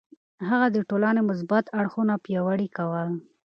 هغه د ټولنې مثبت اړخونه پياوړي کول.